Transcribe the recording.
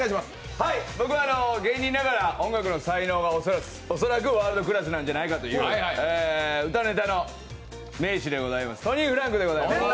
僕は芸人ながら音楽の才能が恐らくワールドクラスなんじゃないかという歌ネタの名士でございます、トニーフランクでございます。